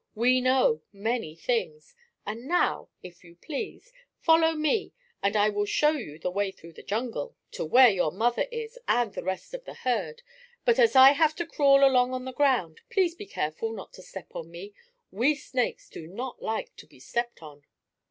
We know many things. And now, if you please, follow me and I will show you the way through the jungle to where your mother is, and the rest of the herd. But as I have to crawl along on the ground, please be careful not to step on me. We snakes do not like to be stepped on."